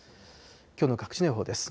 きょうの各地の予報です。